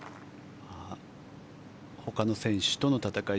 ほかの選手との戦い